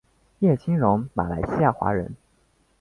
叶清荣马来西亚华人。